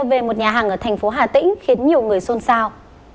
về một nhà hàng ở thành phố hà tĩnh khiến nhiều người xôn xao